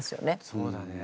そうだね。